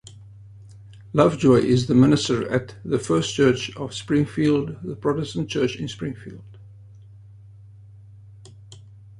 Lovejoy is the minister at The First Church of Springfield-the Protestant church in Springfield.